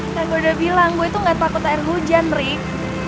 yang gue udah bilang gue tuh gak takut air hujan rik